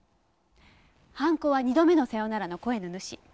犯行は２度目の「さよなら」の声の主。